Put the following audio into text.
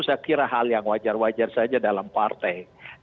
saya kira hal yang wajar wajar saja dalam partai